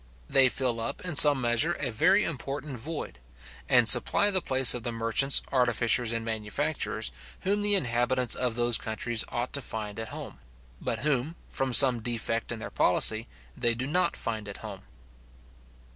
They fill up, in some measure, a very important void; and supply the place of the merchants, artificers, and manufacturers, whom the inhabitants of those countries ought to find at home, but whom, from some defect in their policy, they do not find at home.